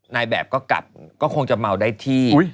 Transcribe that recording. นายแบบก็กลับก็คงจะเมาได้ที่